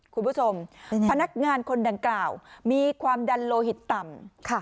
พนักงานคนดังกล่าวมีความดันโลหิตต่ำ